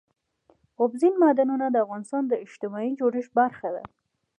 اوبزین معدنونه د افغانستان د اجتماعي جوړښت برخه ده.